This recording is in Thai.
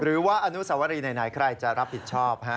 หรือว่าอนุสวรีไหนใครจะรับผิดชอบ